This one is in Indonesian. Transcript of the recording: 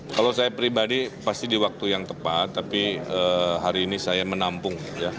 kalau saya pribadi pasti di waktu yang tepat tapi hari ini saya menampung